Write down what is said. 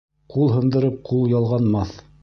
Ҡул һындырып, ҡул ялғанмаҫ.